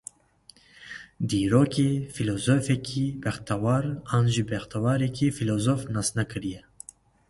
Dîrokê, fîlozofekî bextewar an jî bextewarekî fîlozof nas nekiriye.